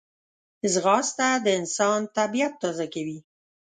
ځغاسته د انسان طبیعت تازه کوي